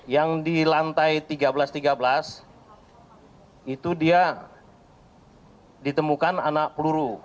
yang di lantai tiga belas tiga belas itu dia ditemukan anak peluru